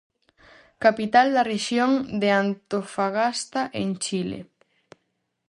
Capital da rexión de Antofagasta, en Chile.